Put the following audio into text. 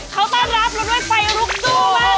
เขากับรับรุ่นด้วยไปลุกสู้มาเฮีย